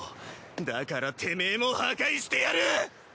だからテメエも破壊してやる！！